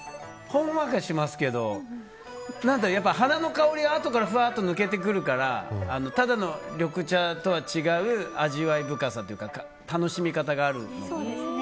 ほんわかしますけど花の香りがあとからふわっと抜けてくるからただの緑茶とは違う味わい深さというか楽しみ方があるんです。